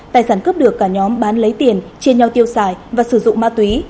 tài sản cướp được cả nhóm bán lấy tiền chia nhau tiêu xài và sử dụng ma túy